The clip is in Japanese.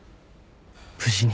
無事に。